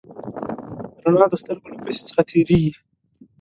رڼا د سترګو له کسي څخه تېرېږي.